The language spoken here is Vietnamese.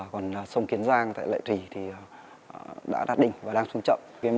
còn sông kiến giang tại lệ thủy thì đã đạt đỉnh và đang xuống chậm